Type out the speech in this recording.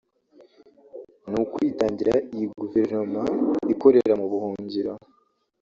Ni ukwitangira iyi Guverinoma ikorera mu buhungiro